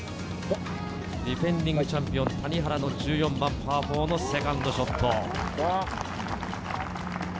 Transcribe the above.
ディフェンディングチャンピオン、谷原の１４番パー４のセカンドショット。